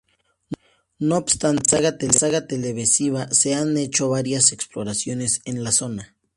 No obstante, en la saga televisiva se han hecho varias exploraciones en la zona.